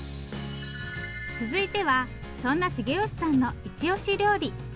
続いてはそんな茂吉さんのイチオシ料理。